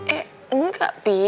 eh enggak pi